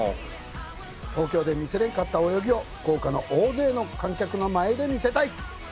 東京で見せれんかった泳ぎを福岡の大勢の観客の前で見せたい！